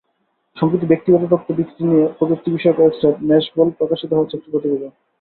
সম্প্রতি ব্যক্তিগত তথ্য বিক্রি নিয়ে প্রযুক্তিবিষয়ক ওয়েবসাইট ম্যাশেবলে প্রকাশিত হয়েছে একটি প্রতিবেদন।